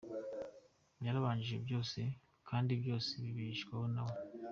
Yabanjirije byose kandi byose bibeshwaho na we.